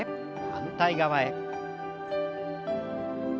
反対側へ。